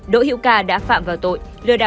đỗ hiệu ca đã phạm vào tội